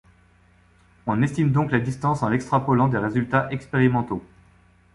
On estime donc la distance en l'extrapolant des résultats expérimentaux.